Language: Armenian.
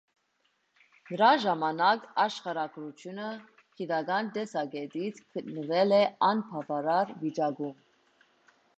Նրա ժամանակ աշխարհագրությունը գիտական տեսակետից գտնվել է անբավարար վիճակում։